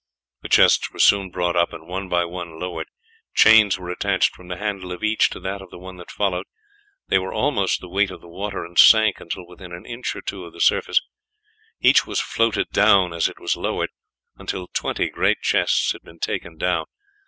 The chests were soon brought up and one by one lowered. Chains were attached from the handle of each to that of the one that followed; they were almost the weight of the water and sank until within an inch or two of the surface. Each was floated down as it was lowered, until twenty great chests had been taken down.